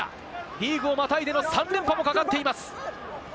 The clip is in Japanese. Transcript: リーグをまたいでの３連覇もかかっています。